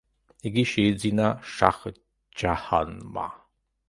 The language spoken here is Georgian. იგი შეიძინა შაჰ–ჯაჰანმა.